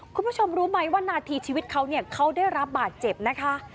คุณผู้ชมรู้ไหมว่านาทีชีวิตเขาเนี่ยเขาได้รับบาดเจ็บนะคะ